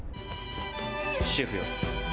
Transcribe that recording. シェフよ。